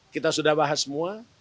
kita sudah bahas semua